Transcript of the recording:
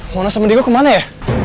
mau nasabah di gua kemana ya